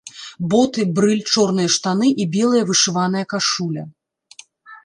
Боты, брыль, чорныя штаны і белая вышываная кашуля!